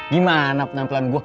gimana penampilan gua